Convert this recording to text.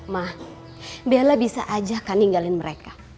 ma bella bisa ajak ninggalin mereka